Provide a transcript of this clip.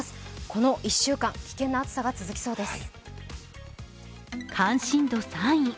この１週間、危険な暑さが続きそうです。